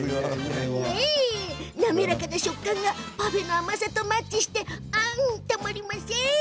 滑らかな食感がパフェの甘さとマッチしてたまりません！